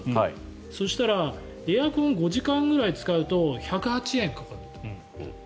そしたらエアコン５時間ぐらい使うと１０８円かかると。